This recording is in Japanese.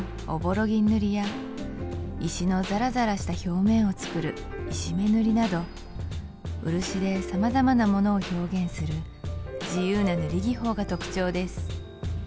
銀塗や石のザラザラした表面をつくる石目塗など漆で様々なものを表現する自由な塗り技法が特徴です